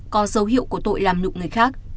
có dấu hiệu của tội làm nhục người khác